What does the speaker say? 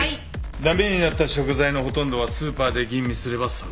駄目になった食材のほとんどはスーパーで吟味すれば揃う。